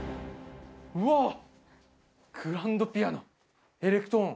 うわっ、グランドピアノ、エレクトーン。